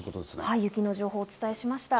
雪の情報をお伝えしました。